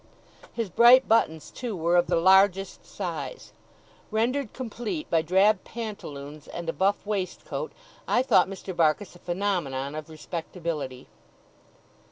His bright buttons, too, were of the largest size. Rendered complete by drab pantaloons and a buff waistcoat, I thought Mr. Barkis a phenomenon of respectability.